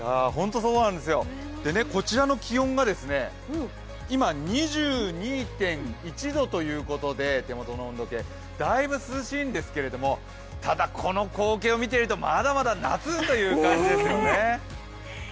こちらの気温が、今手元の温度計で２２．１度ということで、だいぶ涼しいんですけれども、ただこの光景を見ているとまだまだ夏という感じですよね。